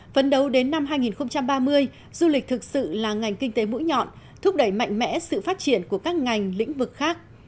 phấn đấu đến năm hai nghìn ba mươi du lịch thực sự là ngành kinh tế mũi nhọn thúc đẩy mạnh mẽ sự phát triển của các ngành lĩnh vực khác